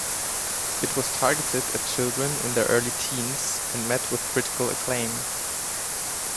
It was targeted at children in their early teens, and met with critical acclaim.